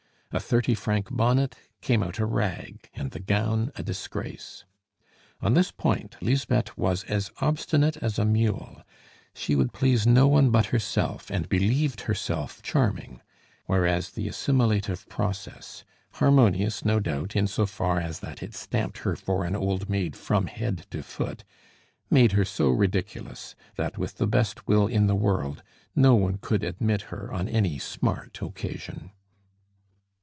A thirty franc bonnet came out a rag, and the gown a disgrace. On this point, Lisbeth was as obstinate as a mule; she would please no one but herself and believed herself charming; whereas this assimilative process harmonious, no doubt, in so far as that it stamped her for an old maid from head to foot made her so ridiculous, that, with the best will in the world, no one could admit her on any smart occasion.